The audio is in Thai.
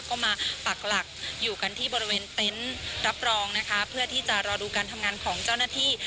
ก็มาปักหลักอยู่กันที่บริเวณเต็นต์รับรองนะคะเพื่อที่จะรอดูการทำงานของเจ้าหน้าที่